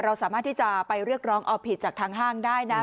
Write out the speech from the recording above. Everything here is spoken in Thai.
เราสามารถที่จะไปเรียกร้องเอาผิดจากทางห้างได้นะ